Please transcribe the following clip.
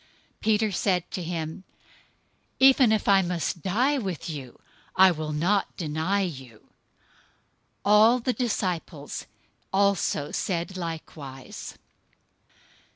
026:035 Peter said to him, "Even if I must die with you, I will not deny you." All of the disciples also said likewise.